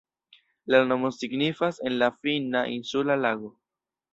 La nomo signifas en la finna "insula lago".